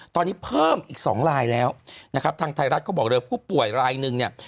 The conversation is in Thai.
ตอนนี้เพิ่มอีกสองลายแล้วนะครับทางไทยรัฐก็บอกเลยผู้ป่วยรายหนึ่งเนี่ย